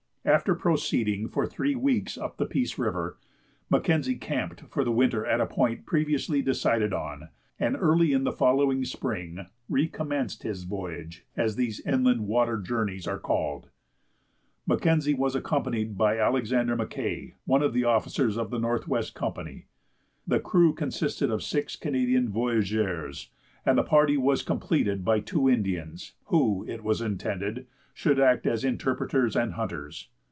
After proceeding for three weeks up the Peace River, Mackenzie camped for the winter at a point previously decided on, and early in the following spring recommenced his "voyage," as these inland water journeys are called. Mackenzie was accompanied by Alexander Mackay, one of the officers of the Northwest Company. The crew consisted of six Canadian voyageurs, and the party was completed by two Indians, who, it was intended, should act as interpreters and hunters.